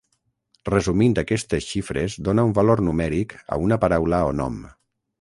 Resumint aquestes xifres dóna un valor numèric a una paraula o nom.